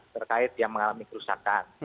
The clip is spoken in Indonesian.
terkait yang mengalami kerusakan